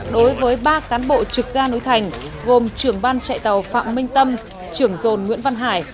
đối với ba cán bộ trực ga núi thành gồm trưởng ban chạy tàu phạm minh tâm trưởng dồn nguyễn văn hải